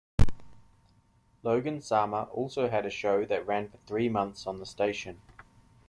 Logan Sama also had a show that ran for three months on the station.